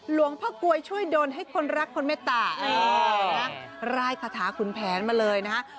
หลวงพระกรวยช่วยโดนให้คนรักคนแม่ตาอ๋อนะฮะรายคาถาขุนแผนมาเลยนะฮะ